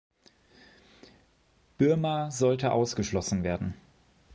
Birma sollte ausgeschlossen werden.